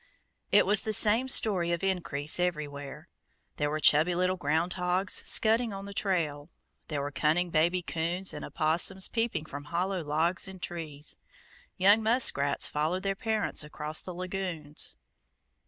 It was the same story of increase everywhere. There were chubby little ground hogs scudding on the trail. There were cunning baby coons and opossums peeping from hollow logs and trees. Young muskrats followed their parents across the lagoons.